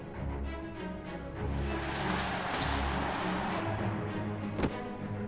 saya tidak punya pilihan lain